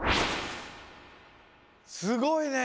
すごいね。